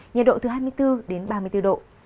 nhiệt độ từ hai mươi bốn đến ba mươi bốn độ